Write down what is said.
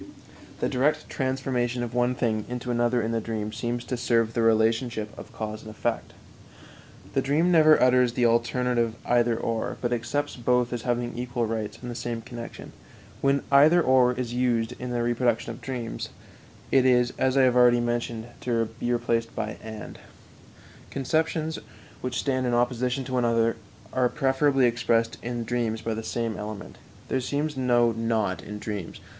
The direct transformation of one thing into another in the dream seems to serve the relationship of cause and effect. The dream never utters the alternative "either or," but accepts both as having equal rights in the same connection. When "either or" is used in the reproduction of dreams, it is, as I have already mentioned, to be replaced by "and." Conceptions which stand in opposition to one another are preferably expressed in dreams by the same element. There seems no "not" in dreams.